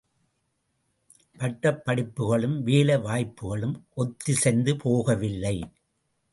பட்டப் படிப்புக்களும், வேலை வாய்ப்புக்களும் ஒத்திசைந்து போக வில்லை.